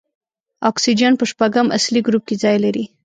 اکسیجن په شپږم اصلي ګروپ کې ځای لري.